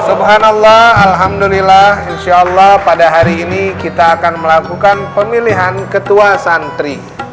subhanallah alhamdulillah insya allah pada hari ini kita akan melakukan pemilihan ketua santri